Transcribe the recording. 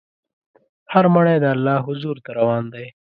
هر مړی د الله حضور ته روان دی.